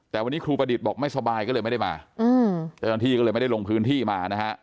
แต่วันนี้ครูประดิษฐ์บอกไม่สบายก็เลยไม่ได้มาเจ้าหน้าที่ก็เลยไม่ได้ลงพื้นที่มานะฮะ